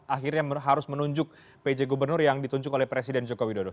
akhirnya harus menunjuk pj gubernur yang ditunjuk oleh presiden joko widodo